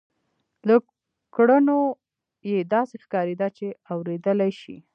له کړنو یې داسې ښکارېده چې اورېدلای شي